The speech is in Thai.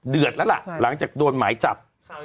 แล้วล่ะหลังจากโดนหมายจับ